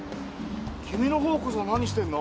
君のほうこそ何してんの？